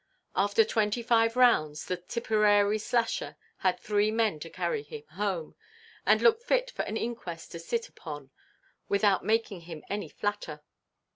After twenty–five rounds, the Tipperary Slasher had three men to carry him home, and looked fit for an inquest to sit upon, without making him any flatter.